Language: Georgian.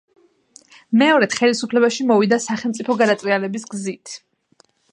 მეორედ ხელისუფლებაში მოვიდა სახელმწიფო გადატრიალების გზით.